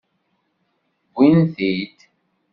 Wwin-t-id.